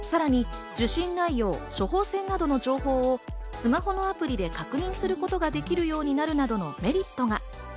さらに受診内容、処方箋などの情報をスマホのアプリで確認することができるようになるなどのメリットが。